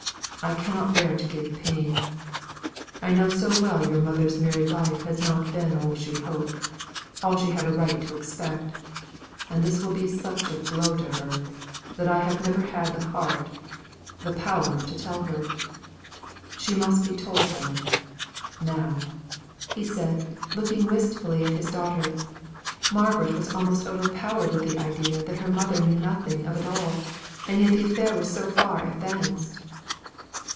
I cannot bear to give pain. I know so well your mother's married life has not been all she hoped all she had a right to expect and this will be such a blow to her, that I have never had the heart, the power to tell her. She must be told though, now," said he, looking wistfully at his daughter. Margaret was almost overpowered with the idea that her mother knew nothing of it all, and yet the affair was so far advanced!